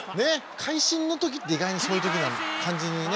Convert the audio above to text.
会心の時って意外にそういう時な感じにね。